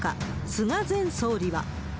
菅前総理は。